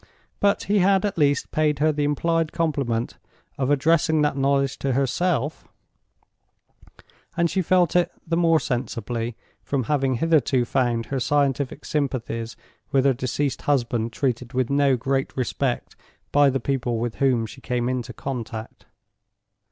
But he had at least paid her the implied compliment of addressing that knowledge to herself; and she felt it the more sensibly, from having hitherto found her scientific sympathies with her deceased husband treated with no great respect by the people with whom she came in contact.